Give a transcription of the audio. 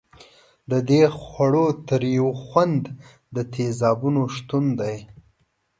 د دې خوړو تریو خوند د تیزابونو شتون دی.